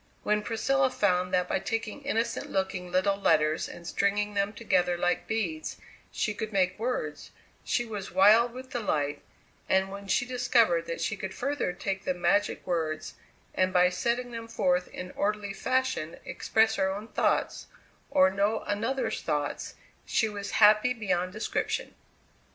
When Priscilla found that by taking innocent looking little letters and stringing them together like beads she could make words, she was wild with delight, and when she discovered that she could further take the magic words and by setting them forth in orderly fashion express her own thoughts or know another's thoughts, she was happy beyond description.